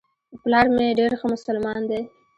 پلار مي ډېر ښه مسلمان دی .